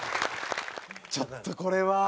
ちょっとこれは。